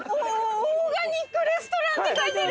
「オーガニックレストラン」って書いてる！